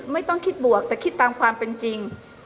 ไม่ต้องคิดบวกแต่คิดตามความเป็นจริง